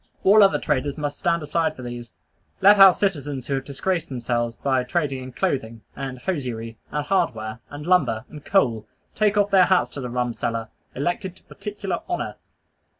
All other traders must stand aside for these. Let our citizens who have disgraced themselves by trading in clothing, and hosiery, and hardware, and lumber, and coal, take off their hats to the rum seller, elected to particular honor.